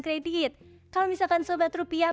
kredit kalau misalkan sobat rupiah